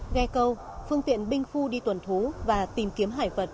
nghe câu phương tiện binh phu đi tuần thú và tìm kiếm hải vật